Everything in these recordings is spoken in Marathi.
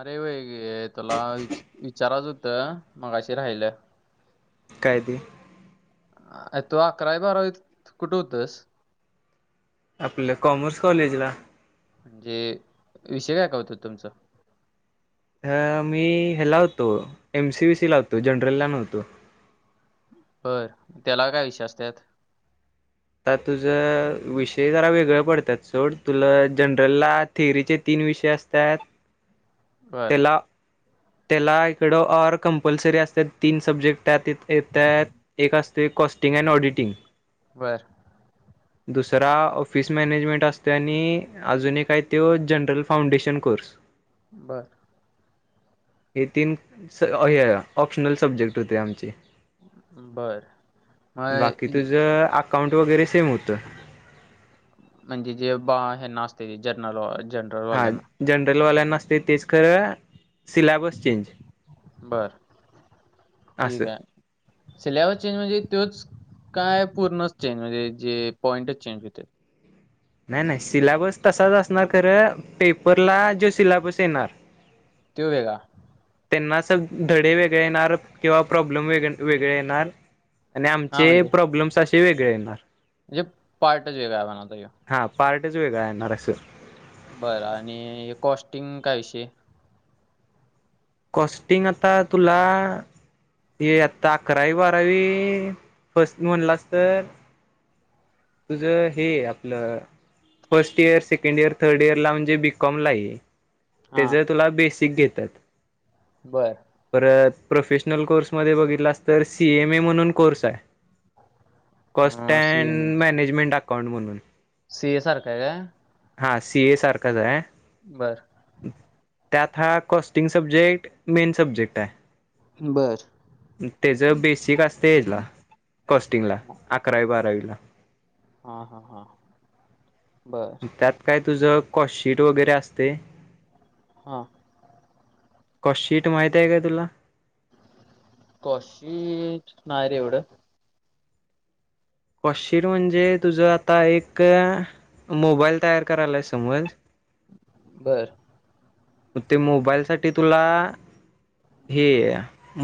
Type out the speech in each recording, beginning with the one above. अरे वई ग तुला विच, विचारयच हुतं, मगाशी राहाहिलंऽऽ कायते? अ तो अकरावी बारावी तर कुठं हुतस. आपलं कॉमर्स कॉलेजला.. म्हणजे,, विषय काय काय हुतं तुमचंऽ ह, मी ह्याला होतो,, एम, सी, बि, सी ला हुतो,, जनरल ला नव्हतो... ब त्याला काय विश्वासतत आता तुझ विषय जरा वेगळ पडतात सोड तुला जनरलला थिअरीचे तीन ी विषय असतात बर त्याला त्याला इकडं र कंपल्सरी असतात तीन सब्जेक्ट त्यात त्यात एक असत कॉस्टिंग अँड ऑडिटिंग बर दुसरा ऑफिस मॅनेजमेंट असते आणि अजून एक काय त जनरल फाउंडेशन कोर्स बर, हे तीन ऑप्शनल सब्जेक्ट होते आमचे बर [inaudible] मग बाकी इ- तुझ अकाउंट वगैरे सेम होतं म्हणजे जे बा हे ना असते जर्नल जनरल वाल्यांना हॉटेलवाल्या नसते तेच खरं, सिलेबस चेंज [inaudible] बर अससं. सिलव चेंज म्हणजे तोच काय पूर्ण चेंज म्हणजे जे पॉइंटच चेंज होते. नाही-नाही सिलेबस तसाच असणार खरं पेपरला जो सिलेबस येणार. त वेगा त्यांना स धडे वेगळे येणार किंवा प्रॉब्लेम वेगळे येणार आणि आमचे प्रॉब्लेम्स असे वेगळे येणार म्हजे पार्टज वेगय बनता य हा पार्टच वेगळा येणार अस बरं आणि कॉस्टिंग काय विषय कस्टिंग आता तुला ये आता अकरावी बारावी फर्स्ट म्हणलास तर तुझ हे आपलं first year second year third year ला म्हणजे बीकॉम ला आहे. हा त्याच तुला बेसिक घेतात [inaudible] परत प्रोफेशनल कोर्समध्येध्ये बघितलास तर सीएमए म्हणून कोर्स आहे. कॉस्ट बर सी अँड मॅनेजमेंट अकाउंट म्हणून सीएसारखा आहे का? हा सी ए सारखंच आहे. बर त्यात हा कॉस्टिंग सब्जेक्ट मेन सब्जेक्ट आहे. बरं, त्याच बेसिक असत याला कॉस्टिंगला अकरावी बारावीला हा हा हा. बर त्यात काय तुझं कॉस्शीट वगैरे असते, हा, कॉस् शीट माहित आहे काय तुला? कौशी ना रे एवढं कॉशशिट म्हणजे तुझं आता एक मोबाईल तयार करायलाय समज बर, ग ते मोबाईल साठी तुला हे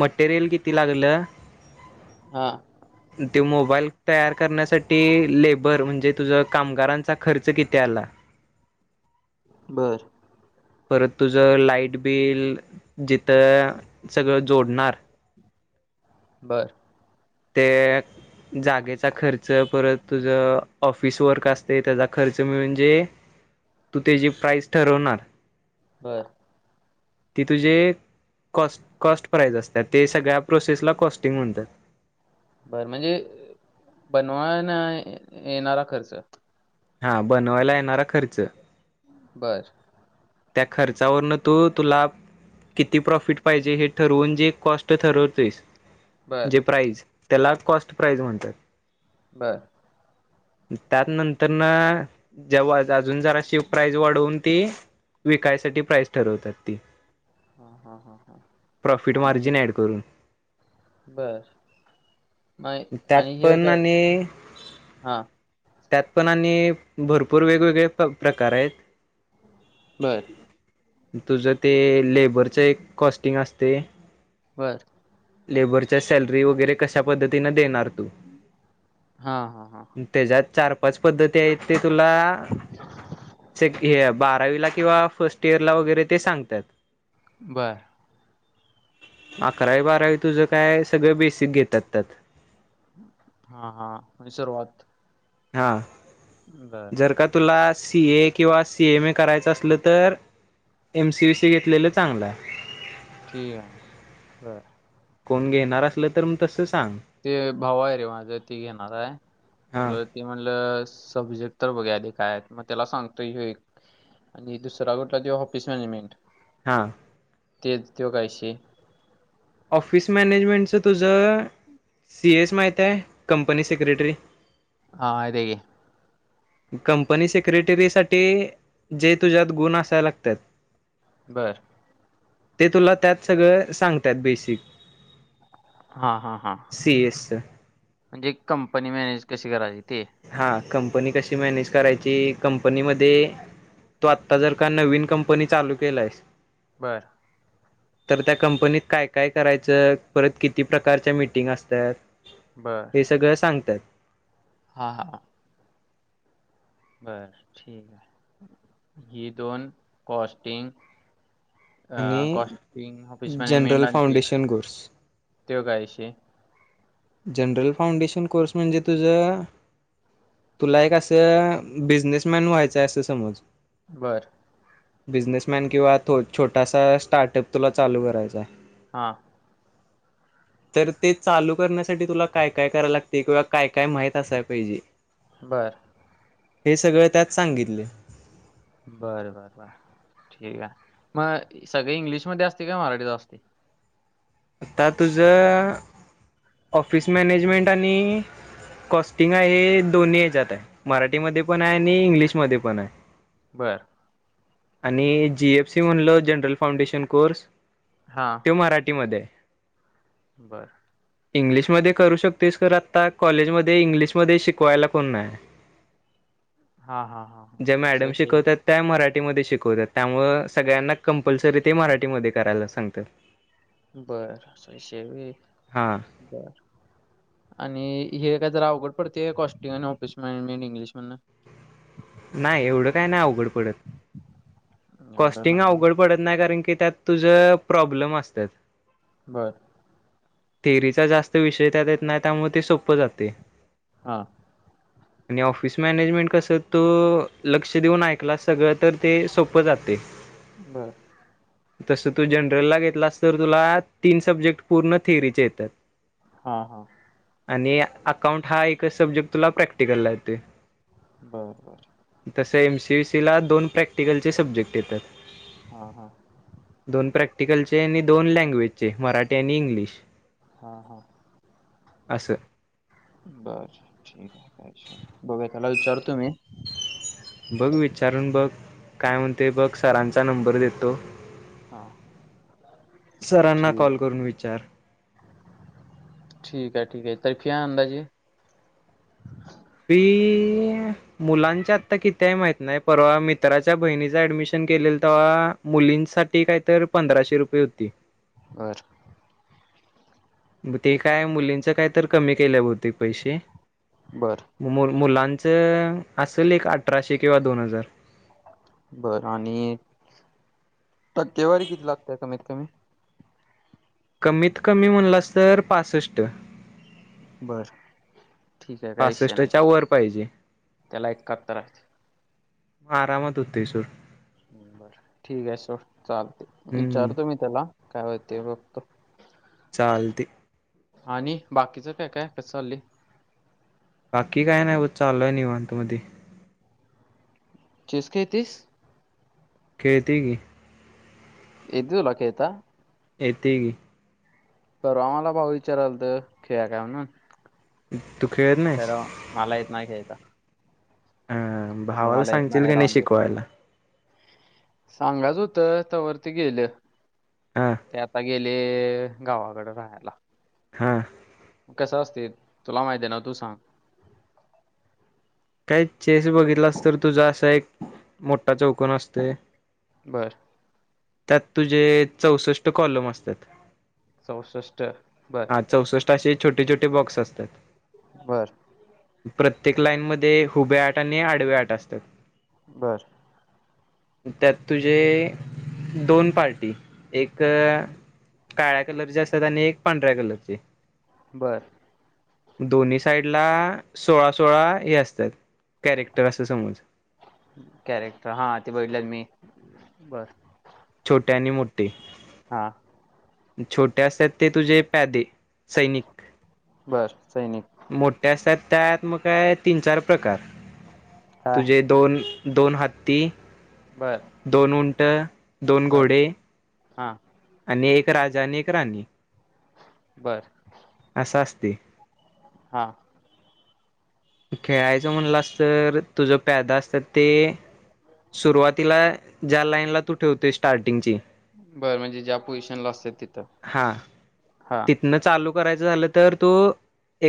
मटेरियल किती लागलं हा, ते मोबाईल तयार करण्यासाठी लेबर म्हणजे तुझ कामगारांचा खर्च किती आला [inaudible] बर, परत तुझ लाईट बिल जिथं सगळं जोडणार. बरं, ते जागेचा खर्च परत तुझं ऑफिस वर्क असते त्याचा खर्च म्हणजे, तू त्याची प्राईस ठरवणार बर, ती तुझे कॉ कॉस्ट प्राइज असतात ते सगळ्या प्रोसेसला कॉस्टिंग म्हणतात. बरं म्हणजे बनवाय न येणारा खर्च... हा बनवायला येणारा खर्च.. बर.. त्या खर्चावरन तू तुला.. किती प्रॉफिट पाहिजे हे ठरवून जे कॉस्ट ठरवतेस.. बर जे प्राईज त्याला कॉस्ट प्राईज म्हणतात... बर... [unintelligible] त्यात नंतर ना जेव्हा अजून जराशी प्राईज वाढवून ती.. विकायसाठी प्राईस ठरवतात ती.. हा हा हा हा प्रॉफिट आणि... मार्जिन ऍड करून बर... मग त्यात आणि हे पण काय आणि हा त्यात पण आणि... भरपूर वेगवेगळे प्रकार आहेत. बर... तुझं ते लेबरच एक कॉस्टिंग असते.. वर.. लेबरच्या सॅलरी वगैरे कशा पद्धतीने देणार... हा हा हा त्याच्यात चार पाच पद्धती आहेत. ते तुला हे ब.. अवी किंवा फर्स्ट इयर ला वगैरे ते सांगतात... बर... अकरावी बारावी तुझं काय सगळं बेसिक घेतात त्यात... हा हा सुरुवात.. हा... बर जर का तुला सी एक.. किंवा सी एम ए करायचं असलं तर एम सी ब सी घेतलेलं चांगलं आहे... ठीक आहे ब... कोण घेणार असलं तर मग तसंच.. ते भावा आहे रे माझ ती घेणार आहे हां म्हटल ती म्हणलं... सब्जेक्ट तर बघुया काय मग त्याला सांगतोय ह्यो एक.. आणि दुसरा कुठला तो ऑफिस मॅनेजमेंट.. हा... ते तो काय विषय... ऑफिस मॅनेजमेंटचं तुझं... सी एस माहिती आहे कंपनी सेक्रेटरी... हा अ.. कंपनी सेक्रेटरी साठी जे तुझ्यात गुण असाय लागतात... बर... ते तुला त्यात सगळं सांगतात बेसिक... हा हा हा... सी एसच म्हणजे कंपनी मॅनेज कशी करायची ते.. हा कंपनी कशी मॅनेज करायची कंपनीमध्ये... तो आता जर का नवीन कंपनी चालू केला आहे. बर.. तर त्या कंपनीत काय काय करायचं परत किती प्रकारच्या मीटिंग असत्यात. बर हे सगळं सांगत्यात.. हा हा... बर ठीक हाय ही दोन कॉस्टिंग... अ आणि कॉस्टिंग ऑफिस जनरल आण ते.. फाउंडेशन कोर्स त्यो काय विषय? जनरल फाउंडेशन कोर्स म्हणजे तुझं. तुला एक असं, बिझनेसमॅन व्हायचंय अस समज. बरं. बिझनेसमॅन किंवा छोटासा स्टार्टअप तुला चालू करायचा. हा. तर ते चालू करण्यास साठी तुला काय काय कराय लागतय किंवा काय काय माहित असाय पाहिजे. बर. हे सगळं त्यात सांगितलय. बर बर बर. ठीक आहे. म सगळ इंग्लिश मध्ये असतय काय, मराठीत असतय. आता तुझ अ.. ऑफिस मॅनेजमेंट आणि कॉस्टिंग आहे हे, दोन्ही हेच्यात हाय मराठीमध्ये पण हाय आणि इंग्लिशमध्ये पण हाय. बर. आणि, जी एफ सी म्हणलो जनरल फाउंडेशन कोर्स. त्यो मराठीमध्ये ये. बरं इंग्लिशमध्ये करू शकतोयस, खरं आता कॉलेजमधे इंग्लिशमध्ये शिकवायला कोण नाय. हां, हां, हां, ज्या हां असा मॅडम विषय शिकवत्यात त्या मरा ठी मधे शिकवत्यात त्यामुळं, सगळ्यांना कंपलसरी ते मराठीमध्ये करायला सांगत्यात. बर असा विषय हाय, व्हय हा बर आणि हे काय जरा अवघड पडतय व्हय कॉस्टींग आणि ऑफिस मॅनेजमेंट इंग्लिश मधन. नाही एवढं काय नाही. अवघड पडत एवढं कॉस्टिंग नाही. अवघड पडत नाही कारण की, की त्यात तुझ प्रॉब्लेम असत्यात. बर. थेअरीचा जास्त विषय त्यात येत नाही, त्यामुळे ते सोपं जातय. हा. आणि ऑफिस मॅनेजमेंट कस, तो लक्ष देऊन ऐकला सगळं तर ते सोप प जातय. बर तसं तू जनरल ला घेतलास तर, तुला तीन सब्जेक्ट पूर्ण थेअरीचे येत्यात. हा हा. आणि अकाउंट हा एकच सब्जेक्ट तुला प्रॅक्टिकला येतोय. बरं बरं. तस एम सी सी ला दोन प्रॅक्टि ते सब्जेक्ट येत्यात. हां, हां, दोन प्रॅक्टीकलचे ते आणि दोन लँग्वेज चे, मराठी आणि इंग्लिश हा हा. असं बर ठीक हाय, काय विषय नाही. बघुया त्याला विचारतो मी. बघ विचारून बघ काय म्हणतोय बघ सरांचा नंबर देतो. हां सरांना ठीक कॉल करून विचार. ठीक आहे, ठीक आहे तरी फी अंदाजे. फी, मुलांची आता किती हाय माहित नाय परवा मित्राच्या बहिणीच ऍडमिशन केलेलं तवा, मुलींसाठी कायतर पंधराशे रुपये होती. बर मग ते, काय मुलींच काय तर कमी केल्या बहुतेक पैसे. बर. मु मुलांचं असेल एक अठराशे किंवा दोन हजार. बर. आणि टक्केवारी किती लागतेय, कमीत कमी कमीत कमी म्हणलास तर पासष्ट बर ठीक आहे काहीच नाही पासष्टच्या का वर पाहिजे त्याला एकाहातर आहे म आरामात उतेशर बर ठीक आहे सोड चालते हम्म विचारतो मी त्याला काय होते फक्त चालते आणि बाकीच काय काय कस चाललय बाकी काय नाही चाललय निवांत मध्ये चेस खेळतंयस खेळतोय की एक दिवस बाकीये आता ये ते ग परवा आम्हाला भाऊ विचाराल तर खेळा काय म्हणा हम् खरं मला येत नाही खेळायला अ पण भावाला तुम्हाला येत सांगशील नाही का राव शिकवायला सांगाच होतं त्यावररती गेलं हा ते आता गेले गावाकडे राहायला हा कस असते तुला माहिती आहे ना तू सांग काय चेस बघितलास तर तुझा असा एक मोठा चौकन असतय बर त्यात तुझे चौसष्ट कॉलम असतात चौसष्ट बर हा चौसष्ट असे छोटे छोटे बॉक्स असतात बर प्रत्येक लाईन मध्ये हुब्या आठ आणि आडव्या आठ असतात बरं त्यात तुझे दोन पार्टी एक काळ्या कलरची असतात आणि एक पांढऱ्या कलरची बर दोन्ही साईडला सोळा सोळा हे असतात कॅरेक्टर असं समज कॅरेक्टर हा ते बघितल्यात मी बर छोट्या आणि मोठे हा छोट्या असतात ते तुझे पॅदे सैनिक बर सैनिक मोठे असतात त्यात मग काय तीन चार प्रकार काय तुझे दोन दोन हत्ती बर दोन उंट दोन बर घोडे हा आणि एक राजा आणि एक राणी बर असा असते हा खेळायचं म्हणलं अस तर तुझं प्यादा असतात ते सुरुवातीला ज्या लाईन ला तू ठेवतेय स्टार्टिंगची बर म्हणजे ज्या पोझिशनला असत तिथं हा हा तिथनं चालू करायचं झालं तर तू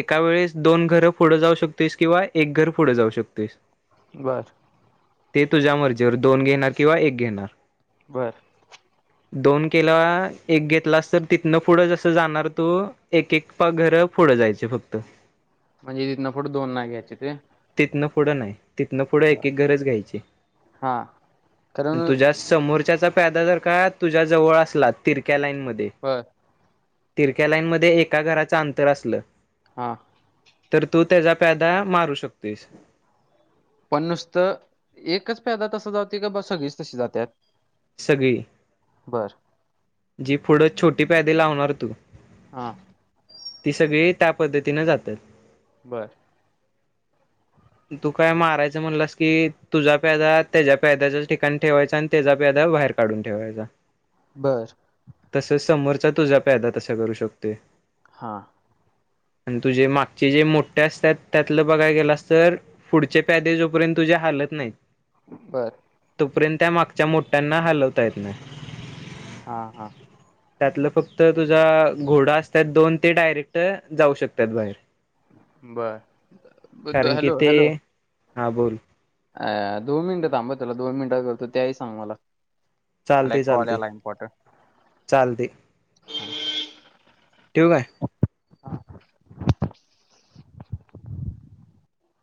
एका वेळेस दोन घरं पुढं जाऊ शकतोस किंवा एक घर पुढं जाऊ शकतोस बर ते तुझ्या मर्जीवर दोन घेणार किंवा एक घेणार. बरं दोन केला एक घेतला अस तर तिथनं पुढंच अस. जाणार तो एकक पा घर पुढं जायचे फक्त. म्हणजे तथन फोट दोन नाही घ्यायचे ते. तितना पुढं नाही. तिथनं पुढं एक बर एक गरज घ्यायची हा कारण तुझ्या समोरच्याचा. फायदा जर काय तुझ्या जवळ असला तिरक्या लाईन मध्ये. बर तिरक्यालाईनमध्येध्ये एका घराचं अंतर असलं. हा. तर तू त्याचा प्यादा मारू शकतेोस. पण नुसतं एकच प्यादा तसं जावते का बा सगळीच तशी जातात. सगळी. बरं. जी पुढं छोटी प्यायदे लावणार तू हा ती सगळी. त्या पद्धतीने जातात. बरं. तू काय मारायचं म्हणलास की तुझा प्याजा त्याच्या प्याद्याच्याच ठिकाणी ठेवायचा आणि त्याचा प्यादा. बाहेर काढून ठेवायचा. बर तस समोरचा तुझा फ्यायदा तसा करू शकते. हां. आणि तुझे मागचे जे मोठे असतात त्यातलं बघाय गेलं असत. सर पुढच्या प्यादेजोपर्यंत तुझ्या हालत नाही. बर तोपर्यंत त्या मागच्या मोठ्यांना हलवता येत नाही. हा हा. त्यातलं फक्त तुझा घोडा असतात दोन ते डायरेक्ट जाऊ शकतात बाहेर. बर ब कारण की हॅलो ते हॅलो. हा बोल. अ दोन मिनिट थांबत त्याला दोन मिनिटात करतो त्याही सांग मला. मला चालते एक कॉल चालते आला इम्पॉर्टंट चालते. ठेव काय.